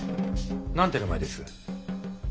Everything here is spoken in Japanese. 何て名前です？